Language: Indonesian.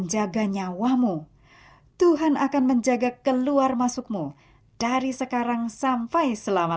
di dalam nama yesus kristus yang hidup